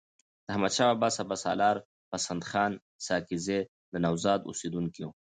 د احمدشاه بابا سپه سالارشاه پسندخان ساکزی د نوزاد اوسیدونکی وو.